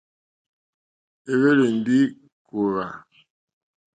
É hwélì ndí kòòhvà.